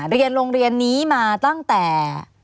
เรียนโรงเรียนนี้มาตั้งแต่